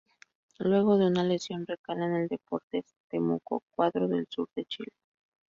Luego de una lesión recala en el Deportes Temuco, cuadro del sur de Chile.